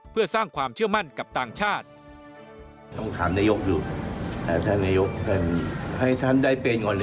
เพื่อสร้างความเชื่อมั่นกับต่างชาติ